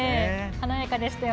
華やかでした。